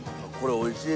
おいしい。